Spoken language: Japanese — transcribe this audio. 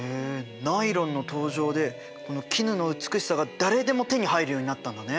ナイロンの登場でこの絹の美しさが誰でも手に入るようになったんだね。